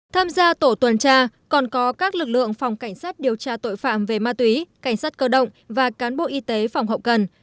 tham gia tổ tuần tra còn có các lực lượng phòng cảnh sát điều tra tội phạm về ma túy cảnh sát cơ động và cán bộ y tế phòng hậu cần